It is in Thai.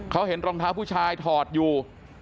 เขาเห็นรองเท้าผู้ชายถอดอยู่